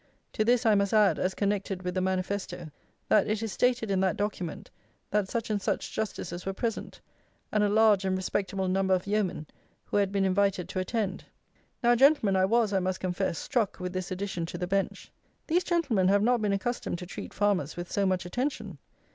To this I must add, as connected with the manifesto, that it is stated in that document, that such and such justices were present, and a large and respectable number of yeomen who had been invited to attend. Now, Gentlemen, I was, I must confess, struck with this addition to the bench. These gentlemen have not been accustomed to treat farmers with so much attention.